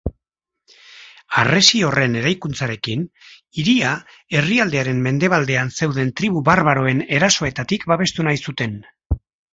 Harresi honen eraikuntzarekin, hiria herrialdearen mendebaldean zeuden tribu barbaroen erasoetatik babestu nahi zuten.